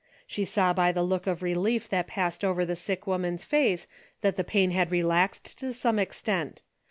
She saw by the look of relief that passed over the sick woman's face that the pain had re laxed to some extent.